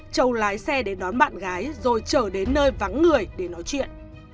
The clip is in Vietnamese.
chầu lái xe đến đón bạn gái rồi trở đến nơi vắng người để nói chuyện